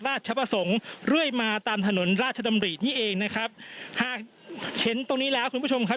ราชประสงค์เรื่อยมาตามถนนราชดำรินี่เองนะครับหากเห็นตรงนี้แล้วคุณผู้ชมครับ